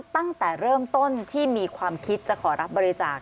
ตั้งแต่เริ่มต้นที่มีความคิดจะขอรับบริจาค